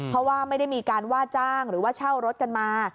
เพราะว่าไม่ได้มีการว่าจ้างหรือว่าเช่ารถกันมา